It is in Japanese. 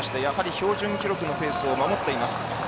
標準記録のペースを守っています。